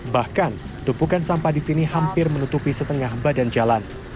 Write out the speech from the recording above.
bahkan tumpukan sampah di sini hampir menutupi setengah badan jalan